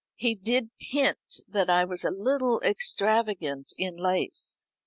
He did hint that I was a little extravagant in lace."